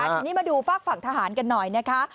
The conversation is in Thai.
ทีนี้มาดูฝากฝั่งทหารกันหน่อยนะคะ